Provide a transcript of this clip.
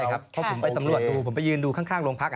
เพราะผมไปสำรวจดูผมไปยืนดูข้างโรงพัก